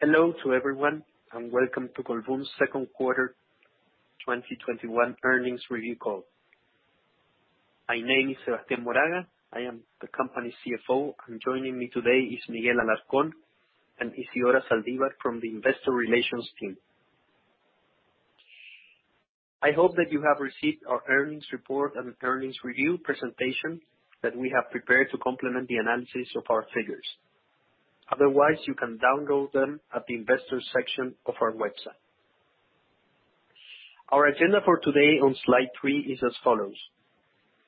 Hello to everyone, and welcome to Colbún's second quarter 2021 Earnings review call. My name is Sebastián Moraga, I am the company's CFO. Joining me today is Miguel Alarcón and Isidora Zaldívar from the investor relations team. I hope that you have received our earnings report and earnings review presentation that we have prepared to complement the analysis of our figures. Otherwise, you can download them at the investors section of our website. Our agenda for today on slide three is as follows.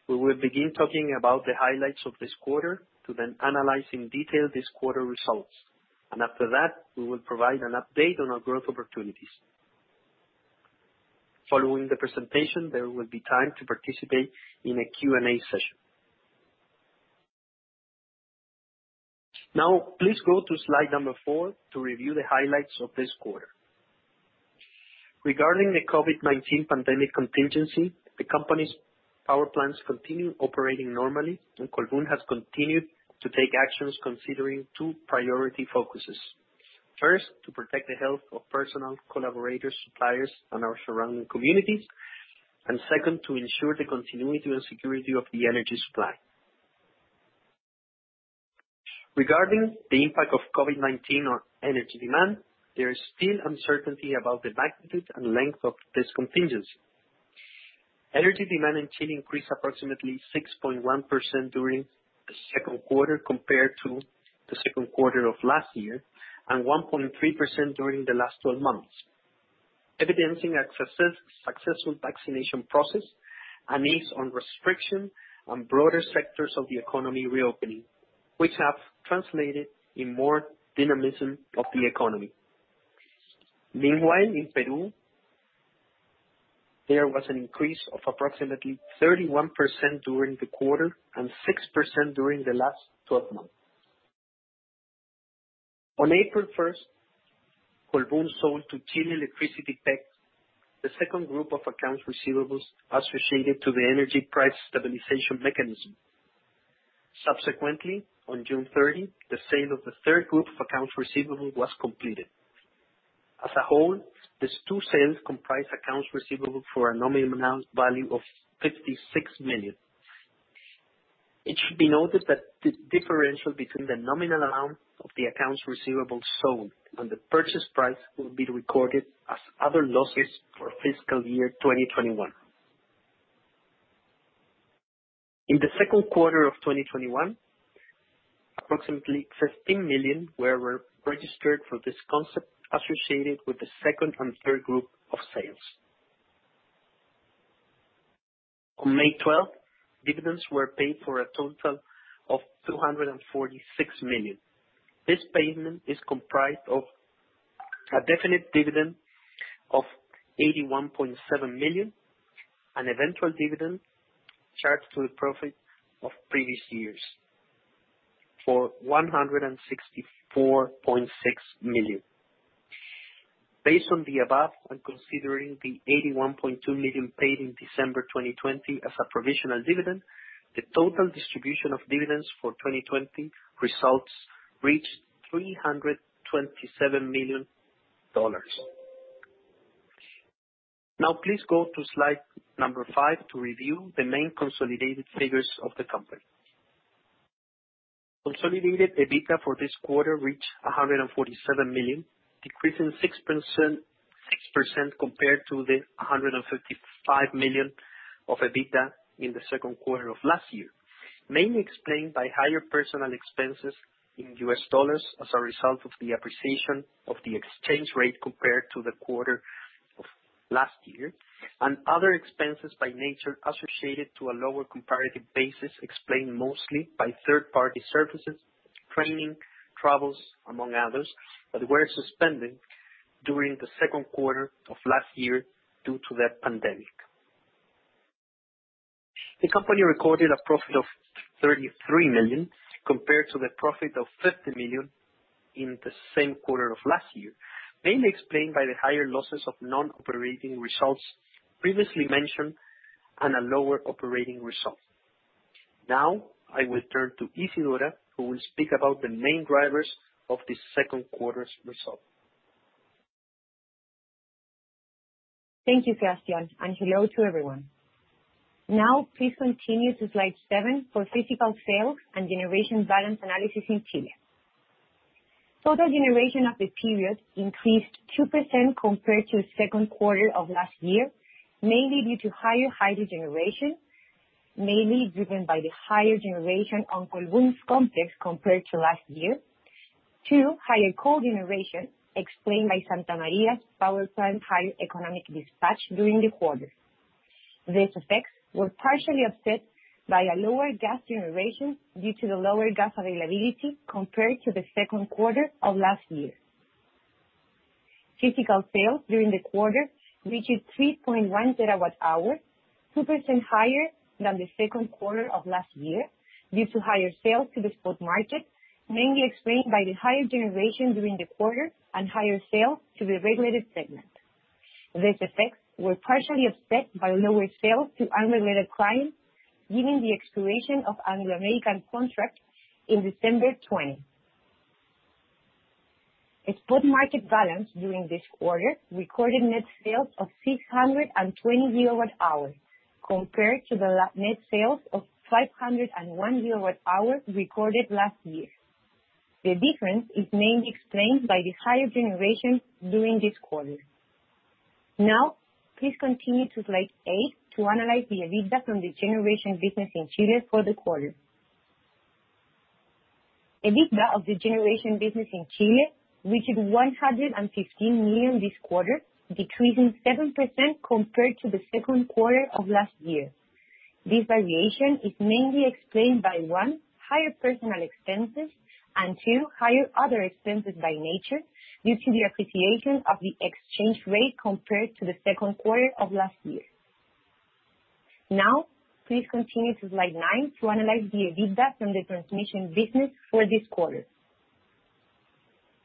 We will begin talking about the highlights of this quarter to then analyze in detail this quarter results, and after that, we will provide an update on our growth opportunities. Following the presentation, there will be time to participate in a Q&A session. Please go to slide number four to review the highlights of this quarter. Regarding the COVID-19 pandemic contingency, the company's power plants continue operating normally, and Colbún has continued to take actions considering two priority focuses. First, to protect the health of personal collaborators, suppliers, and our surrounding communities. Second, to ensure the continuity and security of the energy supply. Regarding the impact of COVID-19 on energy demand, there is still uncertainty about the magnitude and length of this contingency. Energy demand in Chile increased approximately 6.1% during the second quarter compared to the second quarter of last year, and 1.3% during the last 12 months. Evidencing a successful vaccination process, an ease on restriction, and broader sectors of the economy reopening, which have translated in more dynamism of the economy. Meanwhile, in Peru, there was an increase of approximately 31% during the quarter, and 6% during the last 12 months. On April 1st, Colbún sold to Chile Electricity PEC, the second group of accounts receivables associated to the Energy Price Stabilization Mechanism. On June 30, the sale of the third group of accounts receivable was completed. As a whole, these two sales comprise accounts receivable for a nominal amount value of $56 million. It should be noted that the differential between the nominal amount of the accounts receivable sold, and the purchase price will be recorded as other losses for fiscal year 2021. In the second quarter of 2021, approximately $15 million were registered for this concept associated with the second and third group of sales. On May 12, dividends were paid for a total of $246 million. This payment is comprised of a definite dividend of $81.7 million, an eventual dividend charged to a profit of previous years, for $164.6 million. Based on the above, and considering the $81.2 million paid in December 2020 as a provisional dividend, the total distribution of dividends for 2020 results reached $327 million. Now, please go to slide number five to review the main consolidated figures of the company. Consolidated EBITDA for this quarter reached $147 million, decreasing 6% compared to the $155 million of EBITDA in the second quarter of last year, mainly explained by higher personnel expenses in US dollars as a result of the appreciation of the exchange rate compared to the quarter of last year, and other expenses by nature associated to a lower comparative basis, explained mostly by third-party services, training, travels, among others, that were suspended during the second quarter of last year due to the pandemic. The company recorded a profit of $33 million compared to the profit of $50 million in the same quarter of last year, mainly explained by the higher losses of non-operating results previously mentioned, and a lower operating result. I will turn to Isidora, who will speak about the main drivers of this second quarter's result. Thank you, Sebastián, and hello to everyone. Now, please continue to slide seven for physical sales and generation balance analysis in Chile. Total generation of the period increased 2% compared to the second quarter of last year, mainly due to higher hydro generation, mainly driven by the higher generation on Colbún's complex compared to last year. two, higher coal generation, explained by Santa Maria's power plant higher economic dispatch during the quarter. These effects were partially offset by a lower gas generation due to the lower gas availability compared to the second quarter of last year. Physical sales during the quarter reached 3.1 TWh, 2% higher than the second quarter of last year, due to higher sales to the spot market, mainly explained by the higher generation during the quarter and higher sales to the regulated segment. These effects were partially offset by lower sales to unregulated clients, given the expiration of Anglo American's contract in December 2020. Spot market balance during this quarter recorded net sales of 620 GWh, compared to the net sales of 501 GWh recorded last year. The difference is mainly explained by the higher generation during this quarter. Please continue to slide eight to analyze the EBITDA from the generation business in Chile for the quarter. EBITDA of the generation business in Chile reached $116 million this quarter, decreasing 7% compared to the second quarter of last year. This variation is mainly explained by, one, higher personal expenses, and two, higher other expenses by nature due to the appreciation of the exchange rate compared to the second quarter of last year. Please continue to slide nine to analyze the EBITDA from the transmission business for this quarter.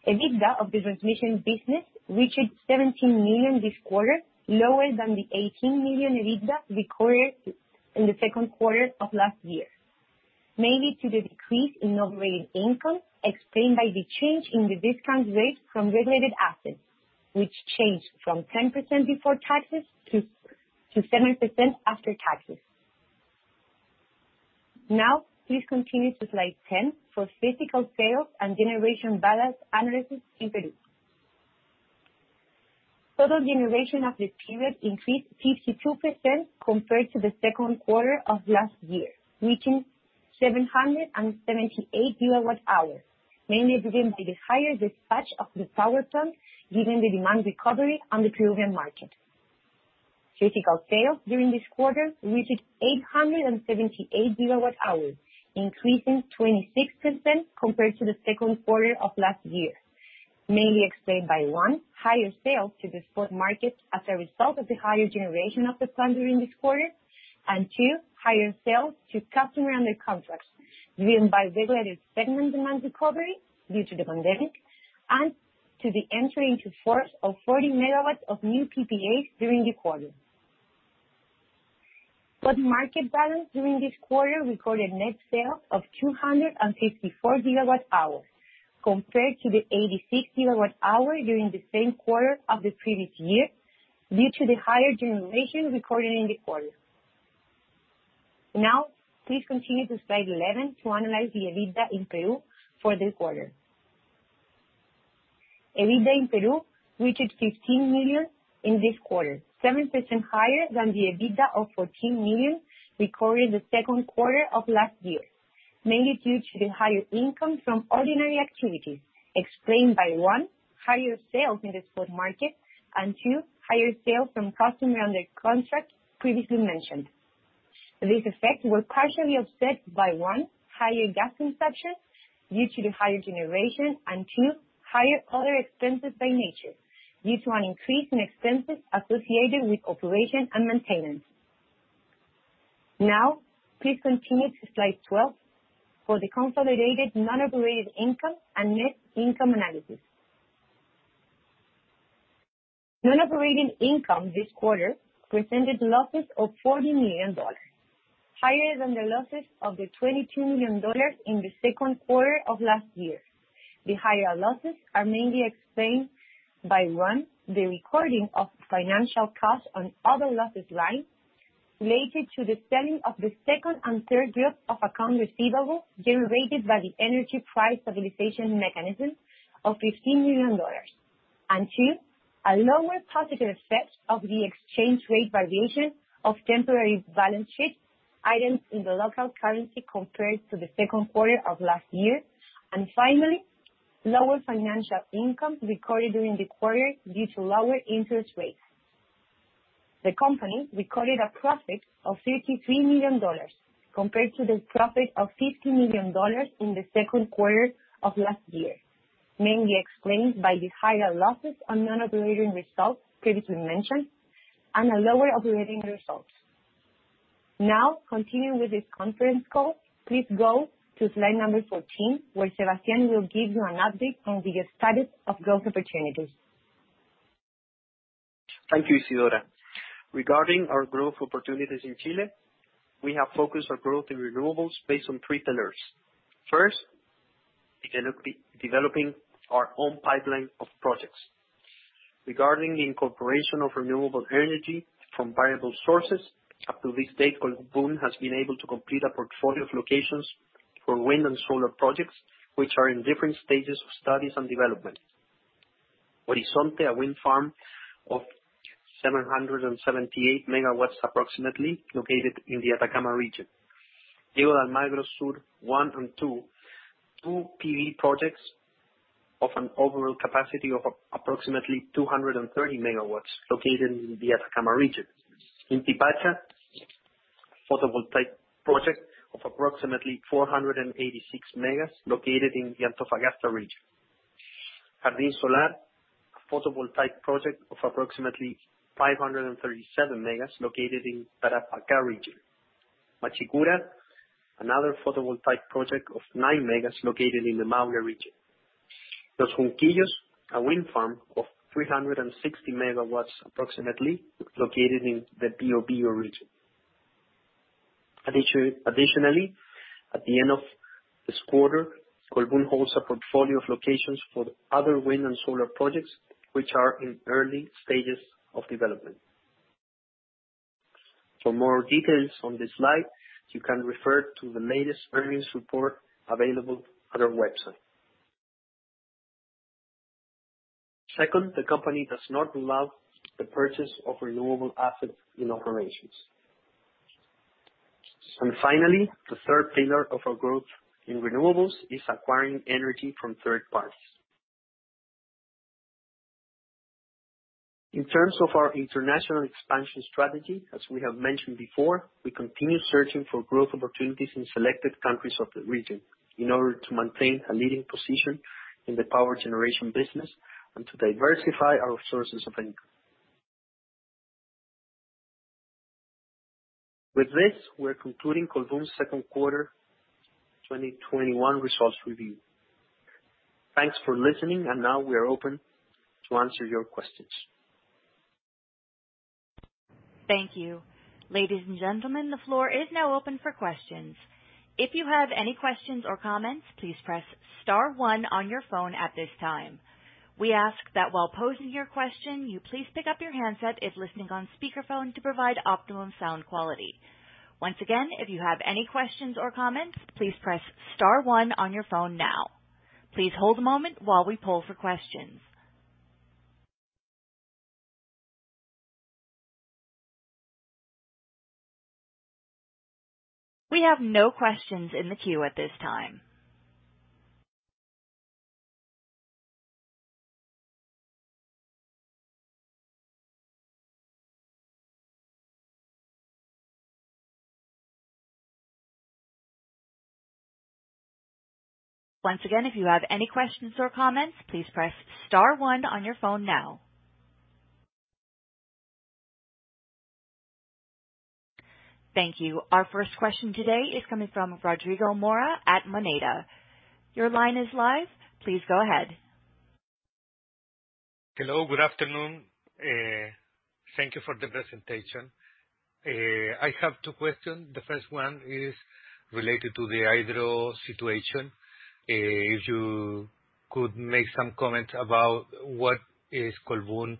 EBITDA of the transmission business reached $17 million this quarter, lower than the $18 million EBITDA recorded in the second quarter of last year, mainly due to the decrease in non-operating income explained by the change in the discount rate from regulated assets, which changed from 10% before taxes to 7% after taxes. Please continue to slide 10 for physical sales and generation balance analysis in Peru. Total generation of the period increased 52% compared to the second quarter of last year, reaching 778 GWh, mainly driven by the higher dispatch of the power plant given the demand recovery on the Peruvian market. Physical sales during this quarter reached 878 GWh, increasing 26% compared to the second quarter of last year, mainly explained by one, higher sales to the spot market as a result of the higher generation of the plant during this quarter, and two, higher sales to customer under contracts, driven by regulated segment demand recovery due to the pandemic, and to the entry into force of 40 MW of new PPAs during the quarter. Spot market balance during this quarter recorded net sales of 254 GWh compared to the 86 GWh during the same quarter of the previous year, due to the higher generation recorded in the quarter. Please continue to slide 11 to analyze the EBITDA in Peru for this quarter. EBITDA in Peru reached 15 million in this quarter, 7% higher than the EBITDA of 14 million recorded the second quarter of last year, mainly due to the higher income from ordinary activities explained by, one, higher sales in the spot market, and two, higher sales from customers under contract previously mentioned. This effect was partially offset by, one, higher gas consumption due to the higher generation, and two, higher other expenses by nature, due to an increase in expenses associated with operation and maintenance. Please continue to slide 12 for the consolidated non-operating income and net income analysis. Non-operating income this quarter presented losses of CLP 40 million, higher than the losses of the CLP 22 million in the second quarter of last year. The higher losses are mainly explained by, one, the recording of financial costs on other losses line related to the selling of the second and third group of account receivables generated by the Energy Price Stabilization Mechanism of $15 million. two, a lower positive effect of the exchange rate variation of temporary balance sheet items in the local currency compared to the second quarter of last year. Finally, lower financial income recorded during the quarter due to lower interest rates. The company recorded a profit of $53 million, compared to the profit of $50 million in the second quarter of last year, mainly explained by the higher losses on non-operating results previously mentioned and a lower operating result. Now, continuing with this conference call, please go to slide number 14, where Sebastián will give you an update on the status of growth opportunities. Thank you, Isidora. Regarding our growth opportunities in Chile, we have focused our growth in renewables based on three pillars. First, developing our own pipeline of projects. Regarding the incorporation of renewable energy from variable sources, up to this date, Colbún has been able to complete a portfolio of locations for wind and solar projects, which are in different stages of studies and development. Horizonte, a wind farm of 778 MW approximately, located in the Atacama Region. Diego de Almagro Sur 1 and 2, two PV projects of an overall capacity of approximately 230 MW located in the Atacama Region. Inti Pacha, a photovoltaic project of approximately 486 MW located in the Antofagasta Region. Jardín Solar, a photovoltaic project of approximately 537 MW located in Tarapacá Region. Machicura, another photovoltaic project of 9 MW located in the Maule region. Los Junquillos, a wind farm of 360 MW, approximately, located in the Biobío region. Additionally, at the end of this quarter, Colbún holds a portfolio of locations for other wind and solar projects, which are in early stages of development. For more details on this slide, you can refer to the latest earnings report available on our website. Second, the company does not allow the purchase of renewable assets in operations. Finally, the third pillar of our growth in renewables is acquiring energy from third parties. In terms of our international expansion strategy, as we have mentioned before, we continue searching for growth opportunities in selected countries of the region in order to maintain a leading position in the power generation business and to diversify our sources of income. With this, we're concluding Colbún's second quarter 2021 results review. Thanks for listening, and now we are open to answer your questions. Our first question today is coming from Rodrigo Mora at Moneda. Your line is live. Please go ahead. Hello. Good afternoon. Thank you for the presentation. I have two questions. The first one is related to the hydro situation. If you could make some comments about what is Colbún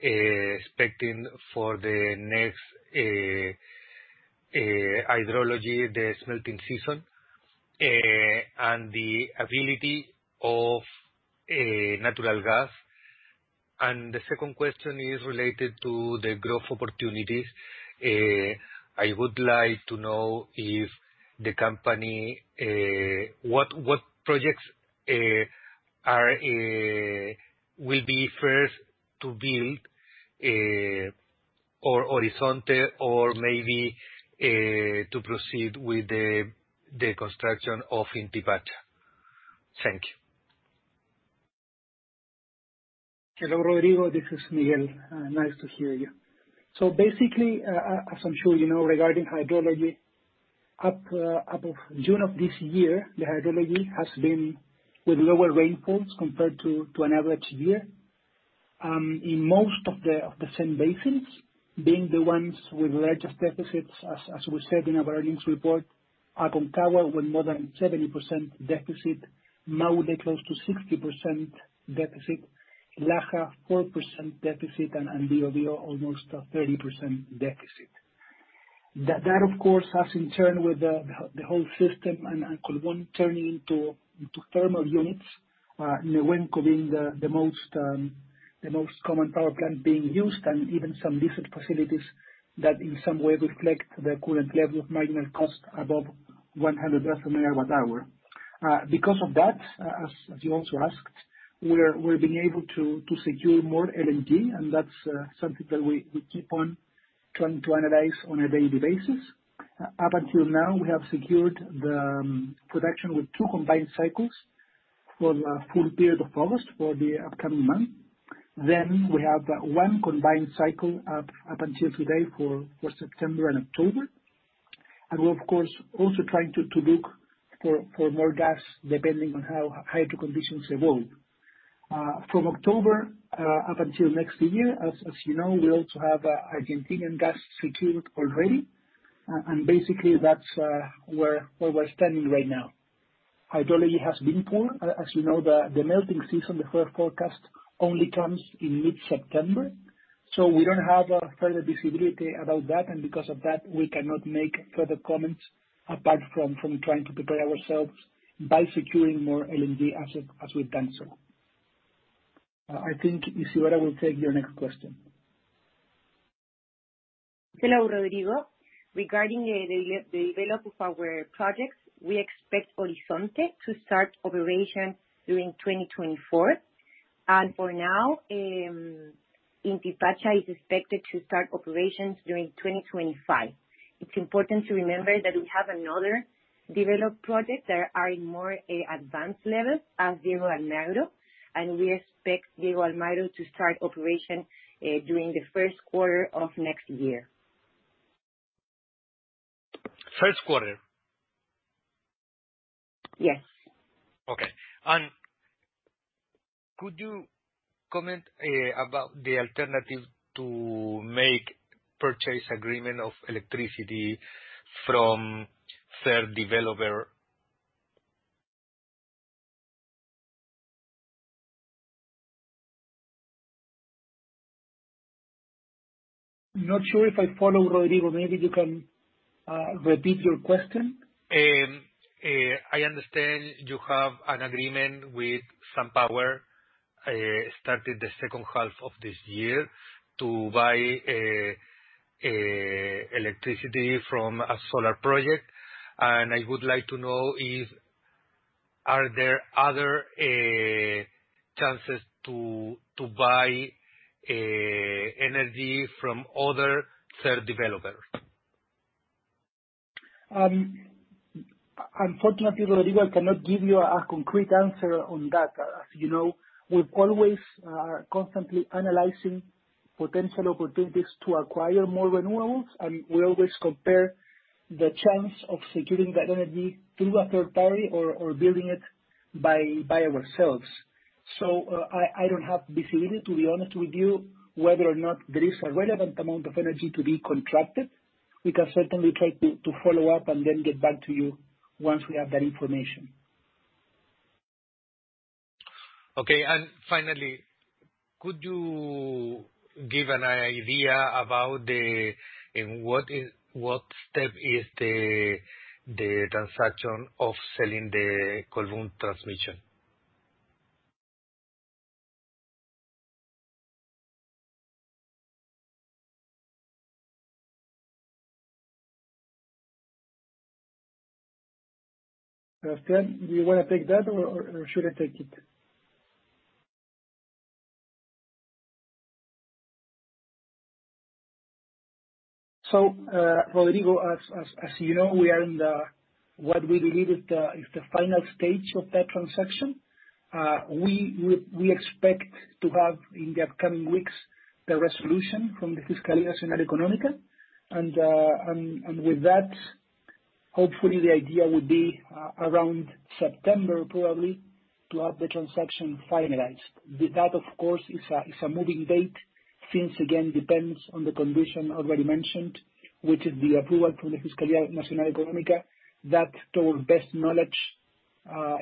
expecting for the next hydrology, the smelting season, and the ability of natural gas. The second question is related to the growth opportunities. I would like to know what projects will be first to build, or Horizonte, or maybe to proceed with the construction of Inti Pacha. Thank you. Hello, Rodrigo. This is Miguel. Nice to hear you. Basically, as I'm sure you know, regarding hydrology, up of June of this year, the hydrology has been with lower rainfalls compared to an average year, in most of the same basins, being the ones with largest deficits, as we said in our earnings report, Aconcagua, with more than 70% deficit, Maule close to 60% deficit, Laja, 4% deficit, and Biobío almost a 30% deficit. That, of course, has in turn with the whole system and Colbún turning into thermal units, the wind being the most common power plant being used, and even some different facilities that in some way reflect the current level of marginal cost above CLP 100 an hour. Because of that, as you also asked, we're being able to secure more LNG, and that's something that we keep on trying to analyze on a daily basis. Up until now, we have secured the production with two combined cycles for the full period of August, for the upcoming month. We have one combined cycle up until today for September and October. We're, of course, also trying to look for more gas, depending on how hydro conditions evolve. From October up until next year, as you know, we also have Argentinean gas secured already. Basically, that's where we're standing right now. Hydrology has been poor. As you know, the melting season, the first forecast only comes in mid-September. We don't have further visibility about that, and because of that, we cannot make further comments apart from trying to prepare ourselves by securing more LNG as we've done so. I think Isidora Zaldívar will take your next question. Hello, Rodrigo. Regarding the develop of our projects, we expect Horizonte to start operation during 2024, and for now, Inti Pacha is expected to start operations during 2025. It's important to remember that we have another developed projects that are in more advanced levels as Diego Almagro, and we expect Diego Almagro to start operation during the first quarter of next year. First quarter? Yes. Okay. Could you comment about the alternative to make purchase agreement of electricity from third developer? Not sure if I follow, Rodrigo. Maybe you can repeat your question. I understand you have an agreement with SunPower, started the second half of this year, to buy electricity from a solar project. I would like to know if are there other chances to buy energy from other third developers? Unfortunately, Rodrigo, I cannot give you a concrete answer on that. As you know, we're always constantly analyzing potential opportunities to acquire more renewables, and we always compare the chance of securing that energy through a third party or building it by ourselves. I don't have visibility, to be honest with you, whether or not there is a relevant amount of energy to be contracted. We can certainly try to follow up and then get back to you once we have that information. Okay. Finally, could you give an idea about in what step is the transaction of selling the Colbún transmission? Seb, do you want to take that, or should I take it? Rodrigo, as you know, we are in what we believe is the final stage of that transaction. We expect to have, in the upcoming weeks, the resolution from the Fiscalía Nacional Económica. With that, hopefully, the idea would be around September, probably, to have the transaction finalized. That, of course, is a moving date, since again, depends on the condition already mentioned, which is the approval from the Fiscalía Nacional Económica. That, to our best knowledge,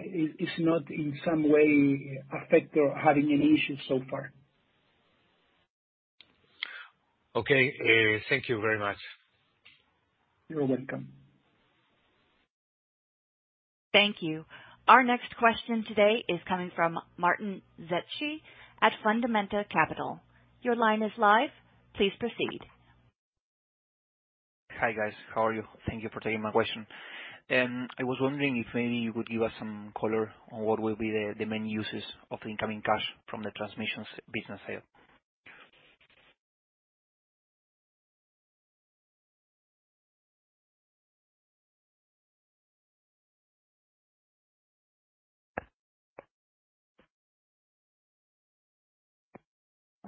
is not in some way affected or having any issues so far. Okay. Thank you very much. You're welcome. Thank you. Our next question today is coming from Martín Zetzsche at Fundamenta Capital. Your line is live. Please proceed. Hi, guys. How are you? Thank you for taking my question. I was wondering if maybe you could give us some color on what will be the main uses of the incoming cash from the transmissions business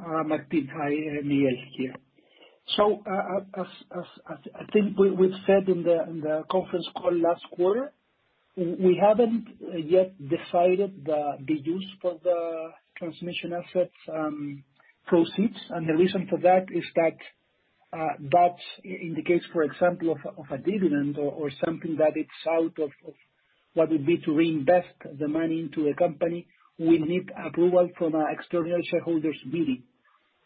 sale. Martín, hi. Miguel here. As I think we've said in the conference call last quarter, we haven't yet decided the use for the transmission assets proceeds. The reason for that is that, in the case, for example, of a dividend or something that it's out of what would be to reinvest the money into a company, we need approval from our external shareholders' meeting.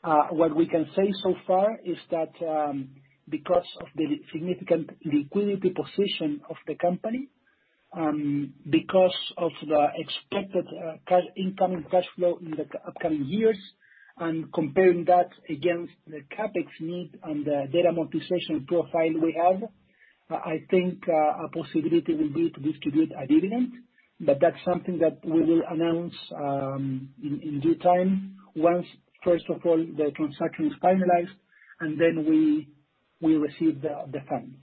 What we can say so far is that because of the significant liquidity position of the company, because of the expected incoming cash flow in the upcoming years, and comparing that against the CapEx need and the debt amortization profile we have, I think a possibility will be to distribute a dividend. That's something that we will announce in due time once, first of all, the transaction is finalized, and then we receive the funds.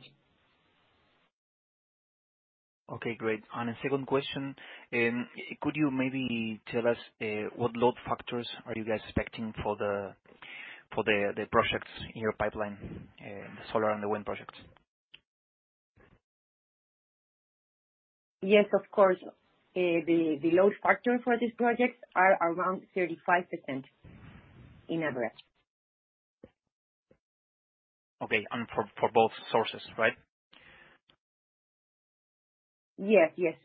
Okay, great. A second question, could you maybe tell us what load factors are you guys expecting for the projects in your pipeline, the solar and the wind projects? Yes, of course. The load factor for these projects are around 35% in average. Okay. For both sources, right? Yes, yes.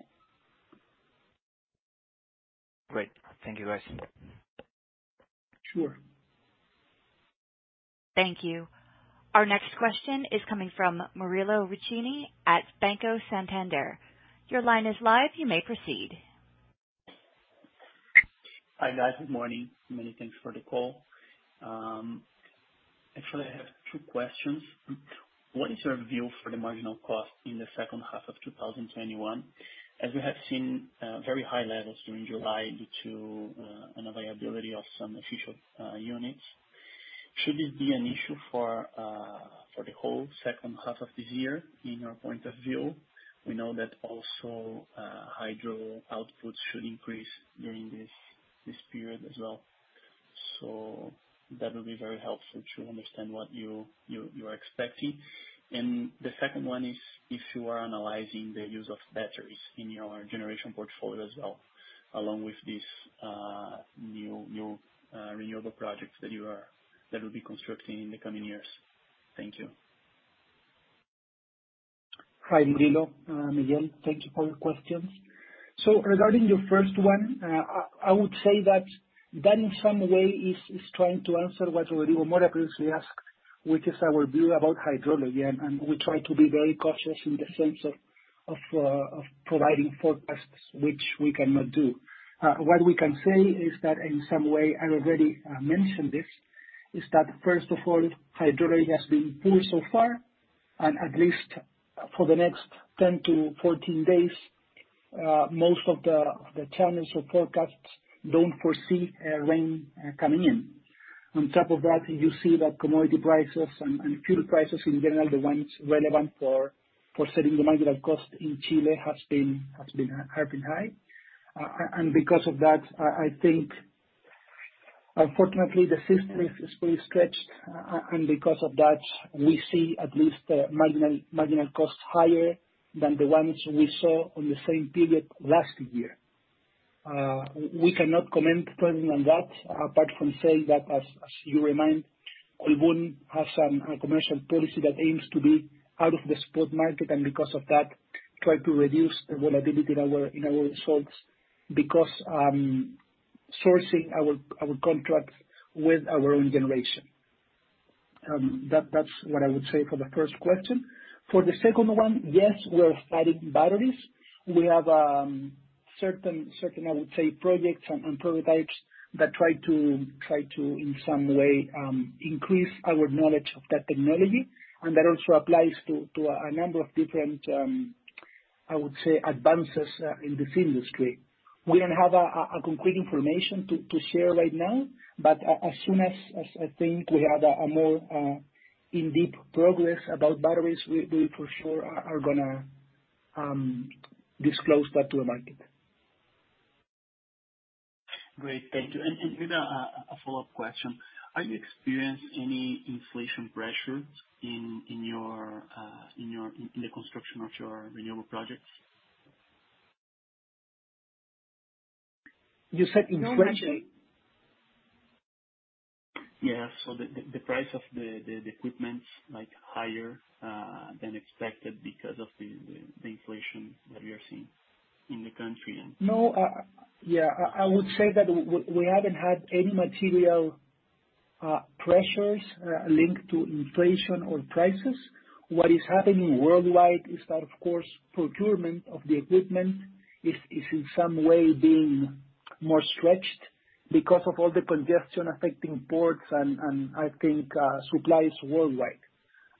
Great. Thank you, guys. Sure. Thank you. Our next question is coming from Murilo Riccini at Banco Santander. Hi, guys. Good morning. Many thanks for the call. Actually, I have two questions. What is your view for the marginal cost in the second half of 2021, as we have seen very high levels during July due to unavailability of some efficient units? Should it be an issue for the whole second half of this year, in your point of view? We know that also hydro output should increase during this period as well. That would be very helpful to understand what you are expecting. The second one is, if you are analyzing the use of batteries in your generation portfolio as well, along with these new renewable projects that you will be constructing in the coming years. Thank you. Hi, Murilo. Miguel, thank you for your questions. Regarding your first one, I would say that in some way is trying to answer what Rodrigo more accurately asked, which is our view about hydrology. We try to be very cautious in the sense of providing forecasts, which we cannot do. What we can say is that, in some way, I already mentioned this, is that first of all, hydrology has been poor so far, and at least for the next 10 - 14 days, most of the channels or forecasts don't foresee rain coming in. On top of that, you see that commodity prices and fuel prices, in general, the ones relevant for setting the marginal cost in Chile have been high. Because of that, I think, unfortunately, the system is fully stretched, and because of that, we see at least marginal costs higher than the ones we saw on the same period last year. We cannot comment further on that, apart from saying that, as you remind, Colbún has some commercial policy that aims to be out of the spot market, and because of that, try to reduce the volatility in our results because sourcing our contracts with our own generation. That's what I would say for the first question. For the second one, yes, we are adding batteries. We have certain projects and prototypes that try to, in some way, increase our knowledge of that technology. That also applies to a number of different, I would say, advances in this industry. We don't have complete information to share right now, but as soon as we have a more in-depth progress about batteries, we for sure are going to disclose that to the market. Great. Thank you. With a follow-up question, have you experienced any inflation pressure in the construction of your renewable projects? You said inflation? Yeah. The price of the equipment, like higher than expected because of the inflation that we are seeing in the country. No. Yeah, I would say that we haven't had any material pressures linked to inflation or prices. What is happening worldwide is that, of course, procurement of the equipment is in some way being more stretched because of all the congestion affecting ports and I think supplies worldwide.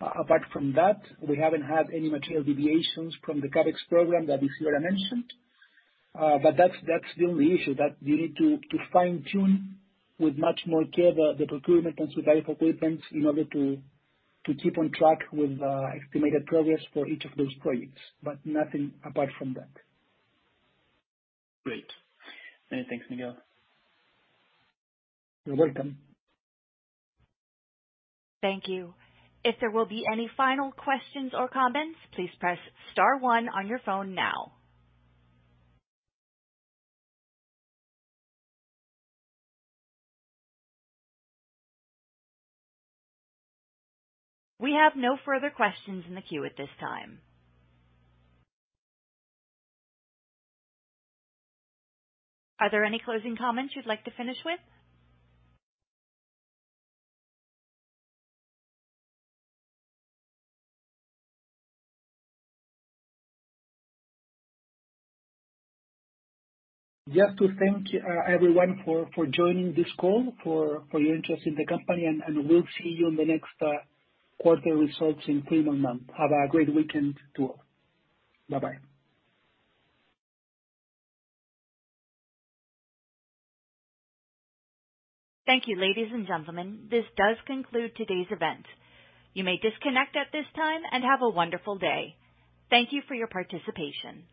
Apart from that, we haven't had any material deviations from the CapEx program that Isidora mentioned. That's the only issue that we need to fine-tune with much more care, the procurement and supply for equipment in order to keep on track with estimated progress for each of those projects. Nothing apart from that. Great. Many thanks, Miguel. You're welcome. Thank you. If there will be any final questions or comments, please press star one on your phone now. We have no further questions in the queue at this time. Are there any closing comments you'd like to finish with? Just to thank everyone for joining this call, for your interest in the company. We'll see you in the next quarter results in three months. Have a great weekend to all. Bye-bye. Thank you, ladies and gentlemen. This does conclude today's event. You may disconnect at this time, and have a wonderful day. Thank you for your participation.